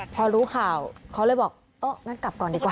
พอรู้ข่าวเขาเลยบอกเอองั้นกลับก่อนดีกว่า